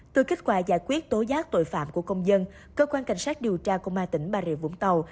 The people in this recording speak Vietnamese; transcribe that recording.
từ kết quả giải quyết tố giác tội phạm của công dân cơ quan cảnh sát điều tra công an tỉnh bà rịa vũng tàu